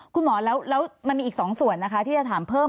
คุณหมอแล้วมันมีอีก๒ส่วนนะคะที่จะถามเพิ่ม